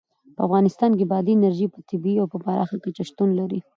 په افغانستان کې بادي انرژي په طبیعي او پراخه کچه شتون لري.